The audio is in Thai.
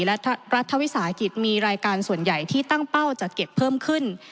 และรัฐวิสาหกิจมีรายการส่วนใหญ่ที่ตั้งเป้าจะเก็บเพิ่มขึ้น